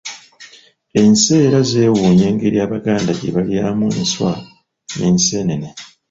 Ensi era zeewuunya engeri Abaganda gye balyamu enswa n'enseenene.